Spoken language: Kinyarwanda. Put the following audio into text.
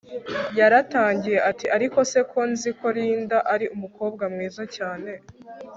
yaratangiye ati ariko se ko nziko Linda ari umukobwa mwiza cyane